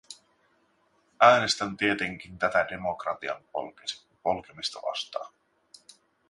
Äänestän tietenkin tätä demokratian polkemista vastaan.